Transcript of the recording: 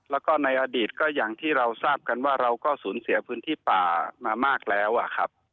แล้วก็ในอดีตก็อย่างที่เราทราบกันว่าเราก็สูญเสียพื้นที่ป่ามามากแล้วอะครับ